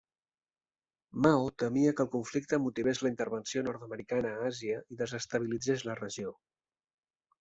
Mao temia que el conflicte motivés la intervenció nord-americana a Àsia i desestabilitzés la regió.